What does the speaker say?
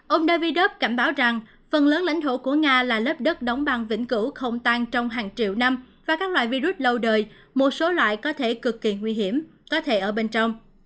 ông davidub cảnh báo rằng phần lớn lãnh thổ của nga là lớp đất đóng băng vĩnh cửu không tan trong hàng triệu năm và các loại virus lâu đời một số loại có thể cực kỳ nguy hiểm có thể ở bên trong